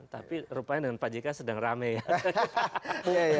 tapi rupanya dengan pak jk sedang rame ya